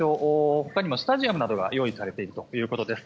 他にもスタジアムなどが用意されているということです。